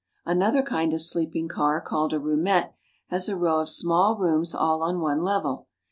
Another kind of sleeping car, called a roomette, has a row of small rooms all on one level.